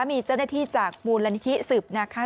มีเจ้าหน้าที่จากมูลละนิขิศึบนะครับ